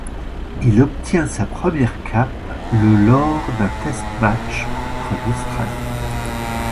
Il obtient sa première cape le lors d'un test match contre l'Australie.